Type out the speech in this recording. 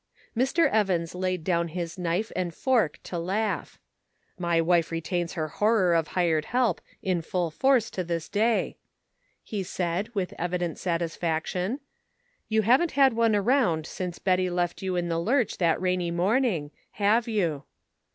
Mr. Evans laid down his knife and fork to laugh. " My wife retains her horror of hired help in full force to this day," he said, with evi dent satisfaction. " You haven't had one around since Betty left you in the lurch that rainy morning, have you